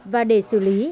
và để xử lý